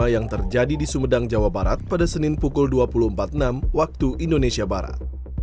yang terjadi di sumedang jawa barat pada senin pukul dua puluh empat puluh enam waktu indonesia barat